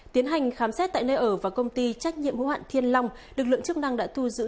tiến hành khám xét tại nơi ở và công ty trách nhiệm hữu hạn thiên long lực lượng chức năng đã thu giữ